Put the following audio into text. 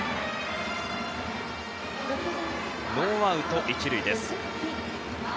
ノーアウト１塁です。